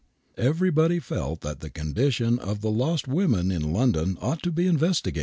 Everybody felt that the condition of the lost women in London ought to be investigated.